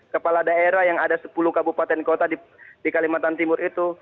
kepala daerah yang ada sepuluh kabupaten kota di kalimantan timur itu